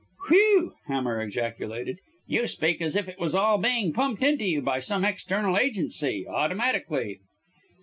"Whew!" Hamar ejaculated. "You speak as if it was all being pumped into you by some external agency automatically."